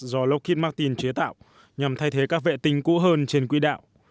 do lockit martin chế tạo nhằm thay thế các vệ tinh cũ hơn trên quỹ đạo